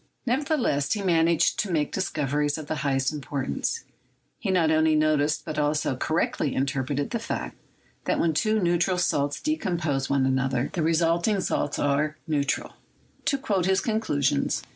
Nevertheless, he managed to make discoveries of the highest importance. He not only noticed, but also cor rectly interpreted the fact, that when two neutral salts decompose one another, the resulting salts are still neu 17$ CHEMISTRY tral. To quote his conclusions